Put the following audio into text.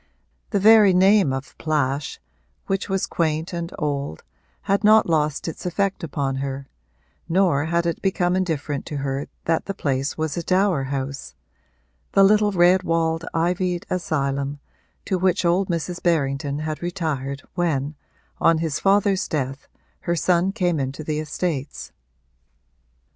The very name of Plash, which was quaint and old, had not lost its effect upon her, nor had it become indifferent to her that the place was a dower house the little red walled, ivied asylum to which old Mrs. Berrington had retired when, on his father's death, her son came into the estates.